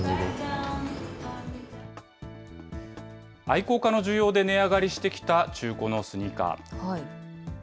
愛好家の需要で値上がりしてきた中古のスニーカー。